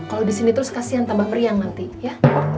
kalau di sini terus kasihan tambah meriang nanti ya